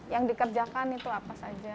yang dikerjakan itu apa saja